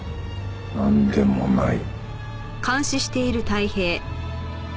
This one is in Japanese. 「なんでもない」